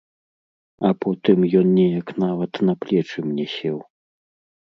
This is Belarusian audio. А потым ён неяк нават на плечы мне сеў.